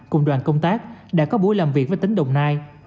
cùng đoàn công tác đã có buổi làm việc với tỉnh đồng nai